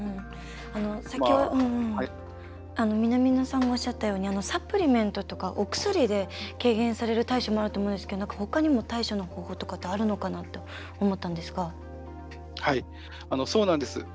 先ほど、南野さんもおっしゃったようにサプリメントとかお薬で軽減される対処もあると思うんですけどほかにも対処の方法ってあるのかなって思ったんですが。